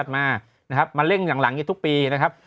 มาเร่งหลังทุกปีนะครับ